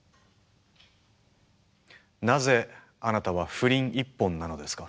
なぜあなたは不倫一本なのですか？